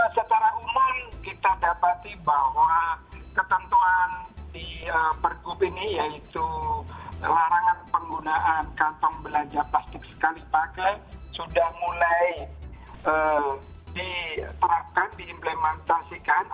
secara umum kita dapati bahwa ketentuan di pergub ini yaitu larangan penggunaan kantong belanja plastik sekali pakai sudah mulai diterapkan diimplementasikan